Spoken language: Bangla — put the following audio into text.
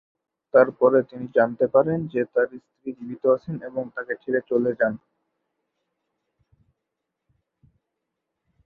তারপরে তিনি জানতে পারেন যে তার স্ত্রী জীবিত আছেন এবং তাকে ছেড়ে চলে যান।